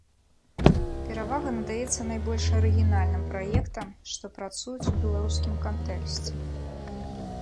Перавага надаецца найбольш арыгінальным праектам, што працуюць у беларускім кантэксце.